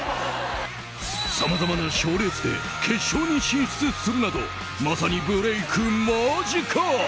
さまざまな賞レースで決勝に進出するなどまさにブレーク間近！